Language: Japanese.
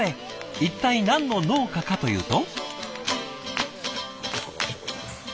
一体何の農家かというと。